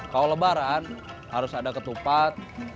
kalau lebaran harus ada ketupat